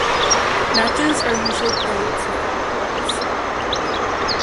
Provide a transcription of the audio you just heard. Matches are usually played to five points.